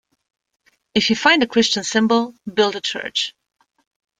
If you find a Christian symbol, build a church.